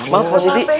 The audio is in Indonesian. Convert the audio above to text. maaf pak siti